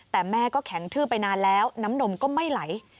แต่แม่ก็แข็งทืบไปนานแล้วน้ำนมก็ไม่ไหล